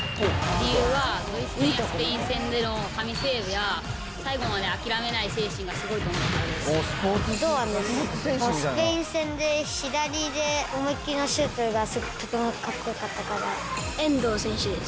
理由は、ドイツ戦やスペイン戦での神セーブや、最後まで諦めない精神がすごいと思うからです。